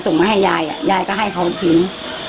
ส่งมาให้ยายอ่ะยายก็ให้เขาทิ้ง